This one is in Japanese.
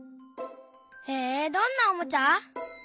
へえどんなおもちゃ？